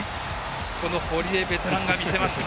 この堀江ベテランが見せました。